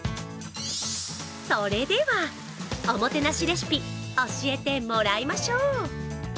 それでは、おもてなしレシピ教えてもらいましょう。